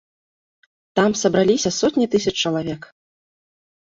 Там сабраліся сотні тысяч чалавек.